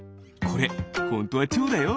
これホントはチョウだよ。